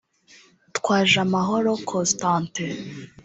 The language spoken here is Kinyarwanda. Twajamahoro Constantin